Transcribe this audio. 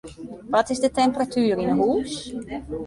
Wat is de temperatuer yn 'e hûs?